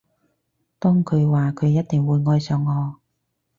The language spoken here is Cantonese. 當佢話佢一定會愛上我